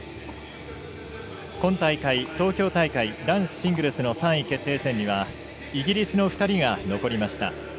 今大会、東京大会男子シングルスの３位決定戦にはイギリスの２人が残りました。